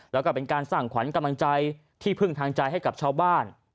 แล้วก็เป็นการสร้างขวัญกำลังใจที่พึ่งทางใจให้กับชาวบ้าน